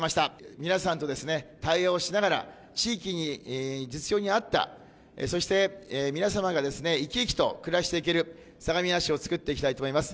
皆さんと対話をしながら、地域に、実情に合った、そして皆様が生き生きと暮らしていける相模原市をつくっていきたいと思います。